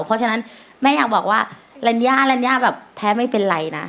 เพราะฉะนั้นแม่อยากบอกว่าลันยาแภกไม่เป็นไรนะ